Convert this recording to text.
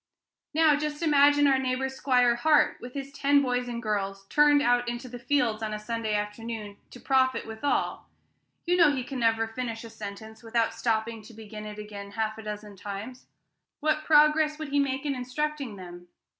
Now, just imagine our neighbor, 'Squire Hart, with his ten boys and girls, turned out into the fields on a Sunday afternoon to profit withal: you know he can never finish a sentence without stopping to begin it again half a dozen times. What progress would he make in instructing them?